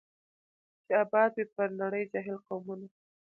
چي آباد وي پر نړۍ جاهل قومونه